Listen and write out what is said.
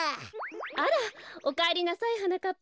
あらおかえりなさいはなかっぱ。